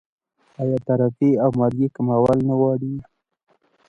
آیا تعرفې او مالیې کمول نه غواړي؟